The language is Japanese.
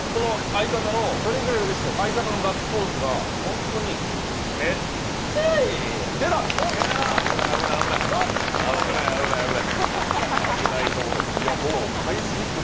相方のガッツポーズが本当にめっちゃええやん！